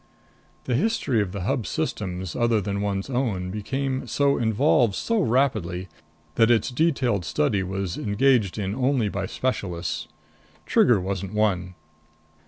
The history of Hub systems other than one's own became so involved so rapidly that its detailed study was engaged in only by specialists. Trigger wasn't one.